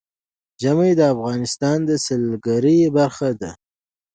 ژمی د افغانستان د سیلګرۍ برخه ده.